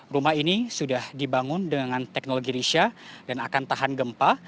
rumah ini sudah dibangun dengan teknologi risya dan akan tahan gempa